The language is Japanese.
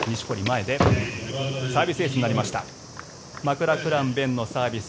マクラクラン勉のサービス